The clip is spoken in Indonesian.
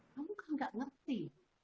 kamu kan tidak mengerti